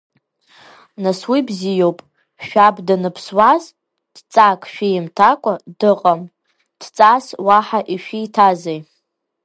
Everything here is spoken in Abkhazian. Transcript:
Нас уи бзиоуп, шәаб даныԥсуаз дҵак шәимҭакәа дыҟам, дҵас уаҳа ишәиҭазеи?